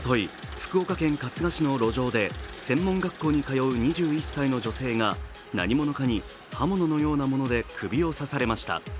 福岡県春日市の路上で、専門学校に通う２１歳の女性が何者かに刃物のようなもので首を刺されました。